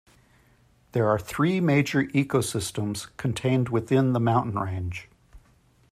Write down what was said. There are three major ecosystems contained within the mountain range.